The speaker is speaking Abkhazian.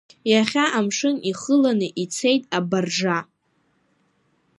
Иахьа амшын ихыланы ицеит абаржа.